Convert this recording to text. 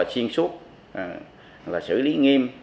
xuyên suốt xử lý nghiêm